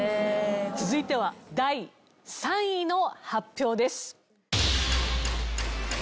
続いては第３位の発表です。